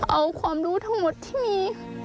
เอาความรู้ทั้งหมดที่มี